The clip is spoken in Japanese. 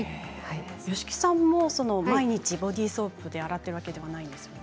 吉木さんも毎日ボディーソープで洗っているわけではないですよね。